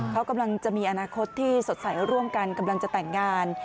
เขากำลังจะมีอนาคตที่สดใสร่วมกันกำลังจะแต่งงาน